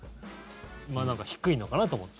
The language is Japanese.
低いのかなと思って。